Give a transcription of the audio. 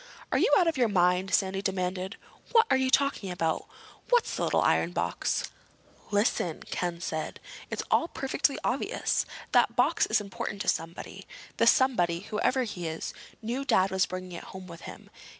"Are you out of your mind?" Sandy demanded. "What are you talking about? What's the little iron box—?" "Listen," Ken said. "It's all perfectly obvious. That box is important to somebody. The somebody, whoever he is, knew Dad was bringing it home with him.